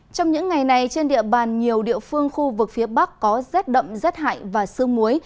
trong những ngày này trên địa bàn nhiều địa phương khu vực phía bắc có rét đậm rét hại và sương muối